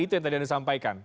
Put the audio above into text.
itu yang tadi anda sampaikan